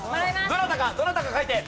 どなたかどなたか書いて。